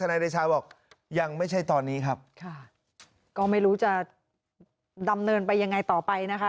นายเดชาบอกยังไม่ใช่ตอนนี้ครับค่ะก็ไม่รู้จะดำเนินไปยังไงต่อไปนะคะ